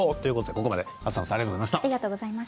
ここまで浅野さんありがとうございました。